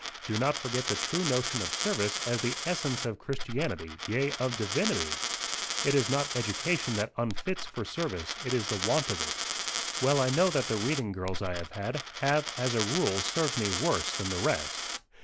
Do not forget the true notion of service as the essence of Christianity, yea, of divinity. It is not education that unfits for service: it is the want of it." "Well, I know that the reading girls I have had, have, as a rule, served me worse than the rest."